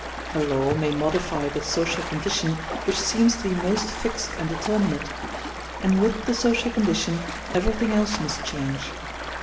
A law may modify the social condition which seems to be most fixed and determinate; and with the social condition everything else must change.